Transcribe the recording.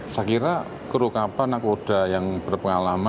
saya kira kerukapan nakoda yang berpengalaman